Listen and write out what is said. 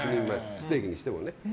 ステーキにしてもね。